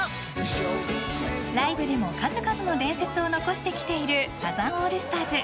［ライブでも数々の伝説を残してきているサザンオールスターズ］